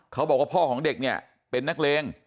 เขาบอกว่าพ่อของเด็กเนี่ยเป็นนักเลง